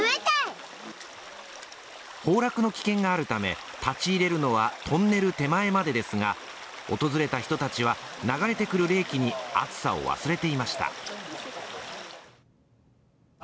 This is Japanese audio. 崩落の危険があるため、立ち入れるのはトンネル手前までですが、訪れた人たちは、流れてくる冷気に暑さを忘れていました。